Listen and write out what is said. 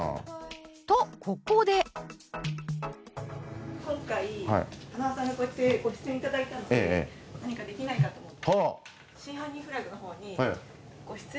とここで今回塙さんがこうやってご出演いただいたので何かできないかと思って。